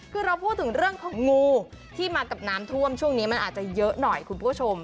คือเราพูดถึงเรื่องของงูที่มากับน้ำท่วมช่วงนี้มันอาจจะเยอะหน่อยคุณผู้ชม